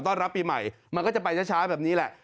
รับปีใหม่มันก็จะไปช้าแบบนี้แหละ